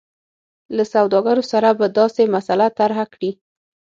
له سوداګرو سره به دا مسله طرحه کړي.